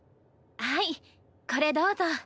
はいこれどうぞ。